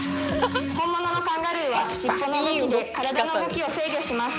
本物のカンガルーは尻尾の動きで体の動きを制御します。